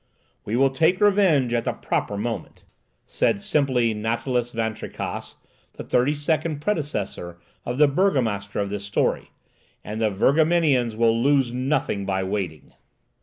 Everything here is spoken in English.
"We will take revenge at the proper moment," said simply Natalis Van Tricasse, the thirty second predecessor of the burgomaster of this story, "and the Virgamenians will lose nothing by waiting."